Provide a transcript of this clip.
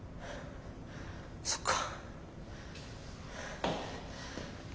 そっか。